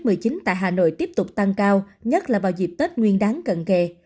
dự báo số ca mắc covid một mươi chín tại hà nội tiếp tục tăng cao nhất là vào dịp tết nguyên đáng cận kề